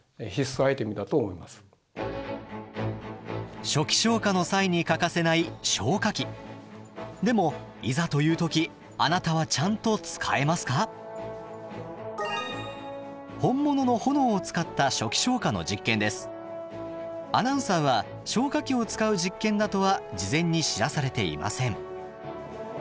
アナウンサーは消火器を使う実験だとは事前に知らされていません。